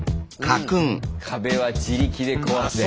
「壁は自力で壊せ」。